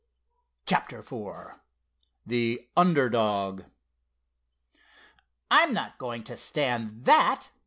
CHAPTER IV THE UNDER DOG "I'm not going to stand that!"